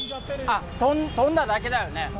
あっ、飛んだだけだよね。